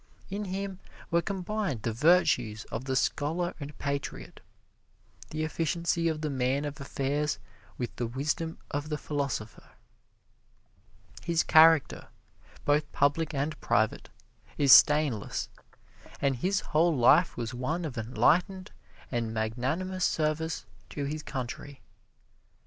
In him were combined the virtues of the scholar and patriot, the efficiency of the man of affairs with the wisdom of the philosopher. His character, both public and private, is stainless, and his whole life was one of enlightened and magnanimous service to his country.